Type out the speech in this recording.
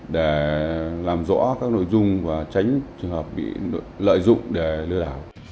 để làm rõ các nội dung và tránh trường hợp bị lợi dụng để lừa đảo